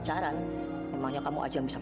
saatpun aku gramm